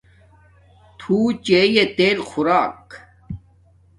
تُھو چیݵ تیل خوراک